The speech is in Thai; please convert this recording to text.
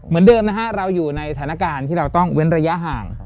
เหมือนเดิมนะฮะเราอยู่ในสถานการณ์ที่เราต้องเว้นระยะห่าง